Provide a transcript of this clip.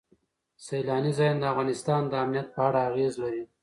سیلاني ځایونه د افغانستان د امنیت په اړه اغېز لري.